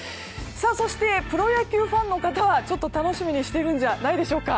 そしてプロ野球ファンの方は楽しみにしているんじゃないでしょうか。